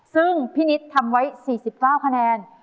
ซึ่งพี่นิดทำไว้๔๙คะแนน